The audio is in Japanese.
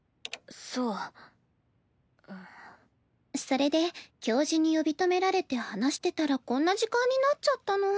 それで教授に呼び止められて話してたらこんな時間になっちゃったの。